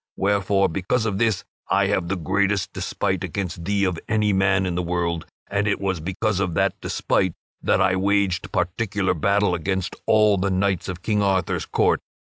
Wherefore, because of this, I have the greatest despite against thee of any man in the world, and it was because of that despite that I waged particular battle against all the knights of King Arthur's court.